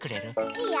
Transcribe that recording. いいよ。